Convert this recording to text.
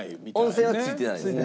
温泉は付いてないですね。